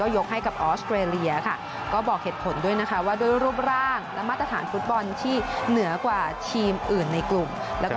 ยกให้กับออสเตรเลียบอกเหตุผลด้วยด้วยรูปร่างและมาตรฐานฟุตบอลที่เหนือกว่าทีมอื่นในกลุ่ม